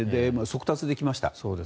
速達で来ました。